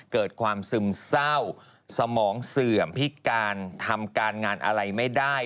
เกิดความซึมเศร้าสมองเสื่อมพิการทำการงานอะไรไม่ได้